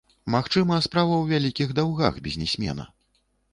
Магчыма, справа ў вялікіх даўгах бізнесмена.